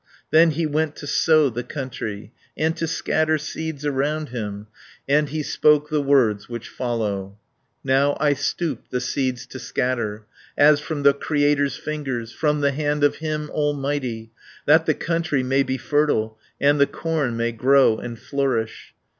Then he went to sow the country, And to scatter seeds around him, And he spoke the words which follow; "Now I stoop the seeds to scatter, As from the Creator's fingers, From the hand of Him Almighty, That the country may be fertile, And the corn may grow and flourish.